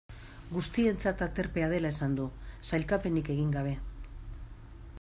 Guztientzat aterpea dela esan du, sailkapenik egin gabe.